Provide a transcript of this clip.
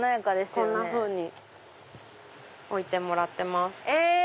こんなふうに置いてもらってます。